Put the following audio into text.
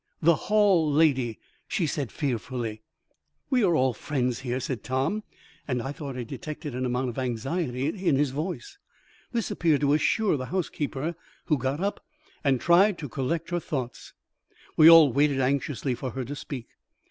"The hall lady," she said fearfully. "We are all friends here," said Tom, and I thought I detected an amount of anxiety in his voice. This appeared to assure the housekeeper, who got up and tried to collect her thoughts. We all waited anxiously for her to speak.